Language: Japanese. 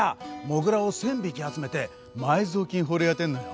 モグラを１，０００匹集めて埋蔵金掘り当てんのよ。